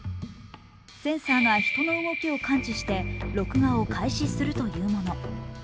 センサーが人の動きを感知して録画を開始するというもの。